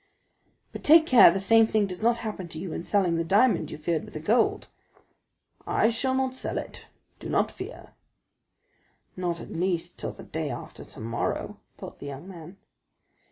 "But take care the same thing does not happen to you in selling the diamond you feared with the gold." "I shall not sell it—do not fear." "Not at least till the day after tomorrow," thought the young man.